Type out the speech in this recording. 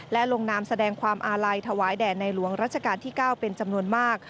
และลงนามแสดงความอาลัยถวายแด่ในหลวงรัชกาลที่๙เป็นจำนวนมาก